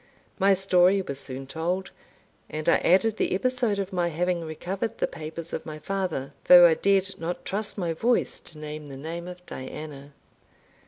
My story was soon told; and I added the episode of my having recovered the papers of my father, though I dared not trust my voice to name the name of Diana.